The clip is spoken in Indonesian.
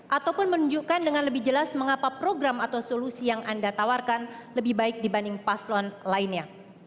ataupun menunjukkan dengan lebih jelas mengapa program atau solusi yang anda tawarkan lebih baik dibanding paslon lainnya